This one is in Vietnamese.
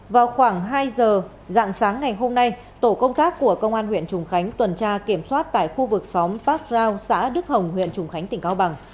vào khoảng hai giờ dạng sáng ngày hôm nay tổ công tác của công an huyện trùng khánh tuần tra kiểm soát tại khu vực xóm park dao xã đức hồng huyện trùng khánh tỉnh cao bằng